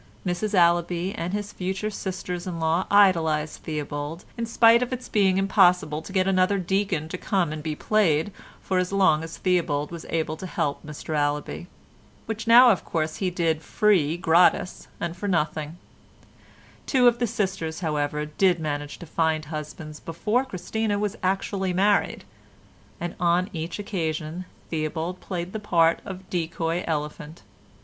Mrs Allaby and his future sisters in law idolised Theobald in spite of its being impossible to get another deacon to come and be played for as long as Theobald was able to help Mr Allaby, which now of course he did free gratis and for nothing; two of the sisters, however, did manage to find husbands before Christina was actually married, and on each occasion Theobald played the part of decoy elephant.